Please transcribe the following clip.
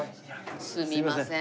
すみません。